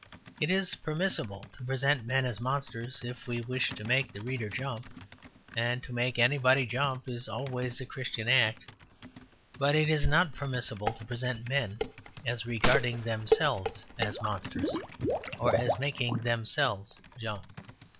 It is permissible to present men as monsters if we wish to make the reader jump; and to make anybody jump is always a Christian act. But it is not permissible to present men as regarding themselves as monsters, or as making themselves jump.